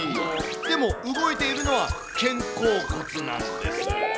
でも、動いているのは肩甲骨なんです。